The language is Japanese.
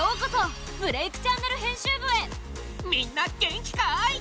みんな元気かい？